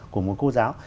của một cô giáo